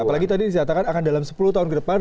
apalagi tadi dikatakan akan dalam sepuluh tahun ke depan